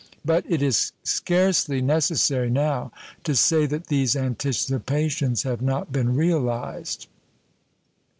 But it is scarcely necessary now to say that these anticipations have not been realized.